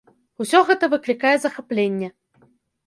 Усё гэта выклікае захапленне!